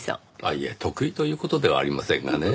いえ得意という事ではありませんがね。